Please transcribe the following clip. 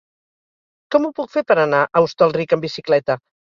Com ho puc fer per anar a Hostalric amb bicicleta?